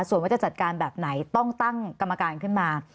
ส่วนว่าจะจัดการแบบไหนต้องตั้งกรรมการขึ้นมา